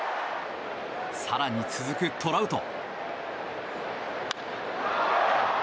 更に、続くトラウト。